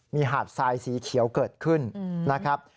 มีหาดทรายสีเขียวเกิดขึ้นนะครับ